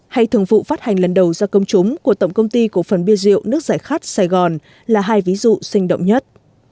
hay thường vụ phát hành lần đầu ra công chúng của tổng công ty cổ phần bia rượu nước giải khát sài gòn là hai ví dụ sinh động nhất